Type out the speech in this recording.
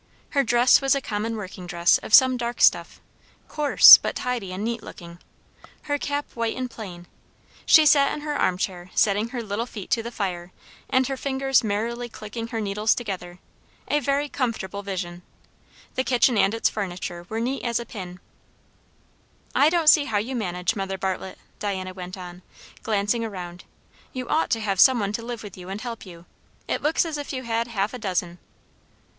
Her dress was a common working dress of some dark stuff; coarse, but tidy and nice looking; her cap white and plain; she sat in her arm chair, setting her little feet to the fire, and her fingers merrily clicking her needles together; a very comfortable vision. The kitchen and its furniture were as neat as a pin. "I don't see how you manage, Mother Bartlett," Diana went on, glancing around. "You ought to have some one to live with you and help you. It looks as if you had half a dozen."